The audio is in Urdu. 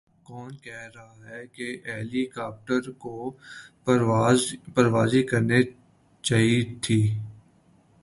کون کہہ رہاہے کہ ہیلی کاپٹروں کو پروازیں کرنی چائیں تھیں۔